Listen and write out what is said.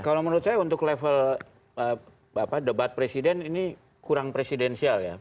kalau menurut saya untuk level debat presiden ini kurang presidensial ya